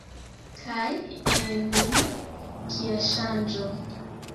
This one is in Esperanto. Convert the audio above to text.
Kaj en li, kia ŝanĝo!